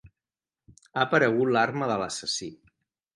Ha aparegut l'arma de l'assassí.